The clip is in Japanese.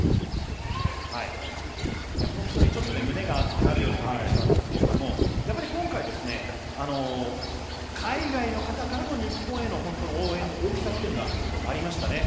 本当に胸が熱くなるような思いがしたんですが今回、海外の方からの日本への応援の大きさというのがありましたね。